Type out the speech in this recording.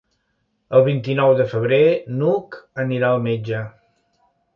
El vint-i-nou de febrer n'Hug anirà al metge.